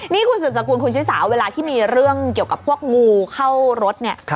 นี่คุณสืบสกุลคุณชิสาเวลาที่มีเรื่องเกี่ยวกับพวกงูเข้ารถเนี่ย